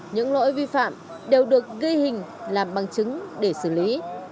những lỗi vi phạm đều được ghi hình làm bằng chứng để xử lý